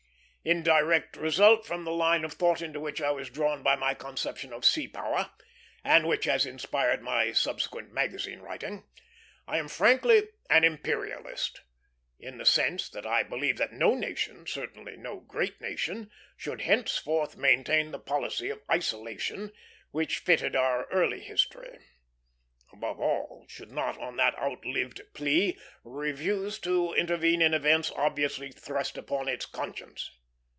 In direct result from the line of thought into which I was drawn by my conception of sea power, and which has inspired my subsequent magazine writing, I am frankly an imperialist, in the sense that I believe that no nation, certainly no great nation, should henceforth maintain the policy of isolation which fitted our early history; above all, should not on that outlived plea refuse to intervene in events obviously thrust upon its conscience.